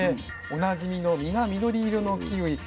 おなじみの実が緑色のキウイ。